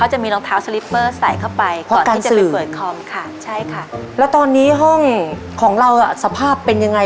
หลับเปล่าถามจริง